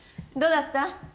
どうだった？